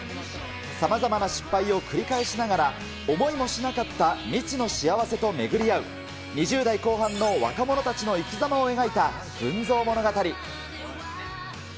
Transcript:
さまざまな失敗を繰り返しながら、思いもしなかった未知の幸せと巡り合う、２０代後半の若者たちの生きざまを描いた群像物語。